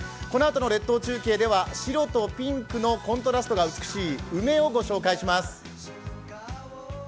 このあとの列島中継では白とピンクのコントラストが美しい梅をご紹介します。